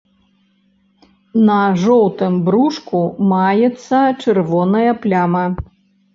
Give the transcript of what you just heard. На жоўтым брушку маецца чырвоная пляма.